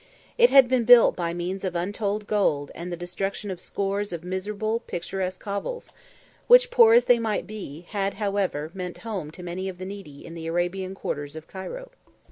It had been built by means of untold gold and the destruction of scores of miserable, picturesque hovels, which, poor as they might be, had however meant home to many of the needy in the Arabian quarters of Cairo.